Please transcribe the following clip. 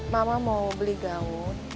mama mau beli gaun